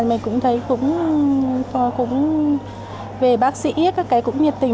mình cũng thấy cũng về bác sĩ các cái cũng nhiệt tình